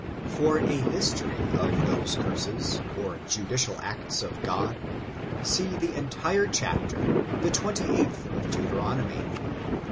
For a history of those curses or judicial acts of God, see the entire chapter, the 28th of Deuteronomy.